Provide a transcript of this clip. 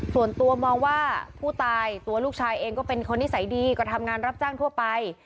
ส่วนตัวมองว่าผู้ตายตัวลูกชายเองก็เป็นคนนิสัยดีก็ทำงานรับจ้างทั่วไป